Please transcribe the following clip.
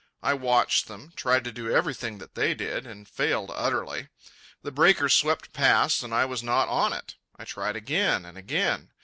I watched them, tried to do everything that they did, and failed utterly. The breaker swept past, and I was not on it. I tried again and again.